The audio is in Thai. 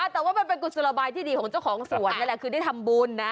แต่ว่ามันเป็นกุศลบายที่ดีของเจ้าของสวนนั่นแหละคือได้ทำบุญนะ